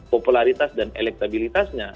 popularitas dan elektabilitasnya